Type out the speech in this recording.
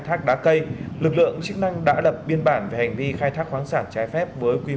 thác đá cây lực lượng chức năng đã lập biên bản về hành vi khai thác khoáng sản trái phép với quy